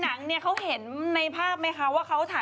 เขาไม่ได้เช็คกล้องหน้าแต่เขาเห็นว่าใช่กล้องหน้า